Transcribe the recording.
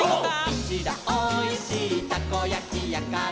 「うちらおいしいたこやきやから」